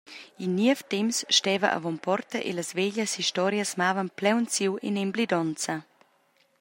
In niev temps steva avon porta e las veglias historias mavan plaunsiu en emblidonza.